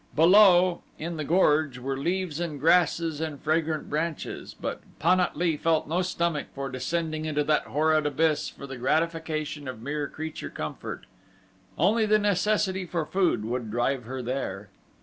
Below, in the gorge were leaves and grasses and fragrant branches, but Pan at lee felt no stomach for descending into that horrid abyss for the gratification of mere creature comfort only the necessity for food would drive her there.